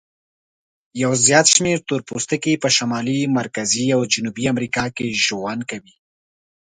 یو زیات شمیر تور پوستکي په شمالي، مرکزي او جنوبي امریکا کې ژوند کوي.